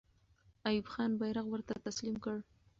ایوب خان بیرغ ورته تسلیم کړ.